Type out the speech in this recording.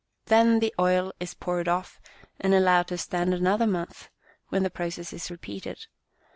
Then the oil is poured off and allowed to stand another month, when the process is repeated.